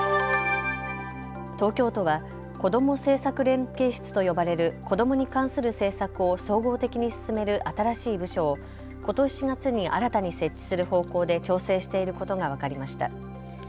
東京都は子供政策連携室と呼ばれる子どもに関する政策を総合的に進める新しい部署をことし４月に新たに設置する方向で調整していることが分かりました。